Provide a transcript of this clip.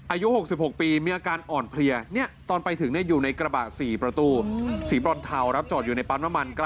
อายุหกสิบหกปีมีอาการอ่อนเพลียเนี่ยตอนไปถึงเนี่ยอยู่ในกระบะสี่ประตูสี่ปลอดเทารับจอดอยู่ในปั๊บมะมัน